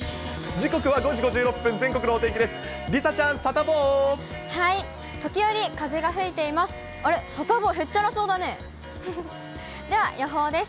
時刻は５時５６分、全国のお天気です。